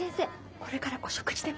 これからお食事でも。